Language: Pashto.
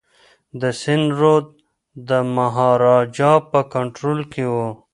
د سند رود د مهاراجا په کنټرول کي و.